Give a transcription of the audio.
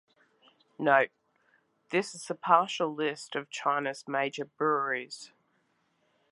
Note: This is a partial list of China's major breweries.